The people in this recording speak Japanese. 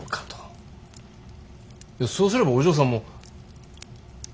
そうすればお嬢さんも。